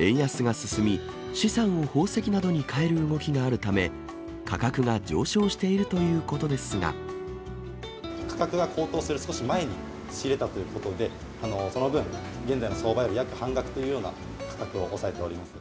円安が進み、資産を宝石などにかえる動きがあるため、価格が上昇しているとい価格が高騰する少し前に仕入れたということで、その分、現在の相場より約半額というような価格を抑えております。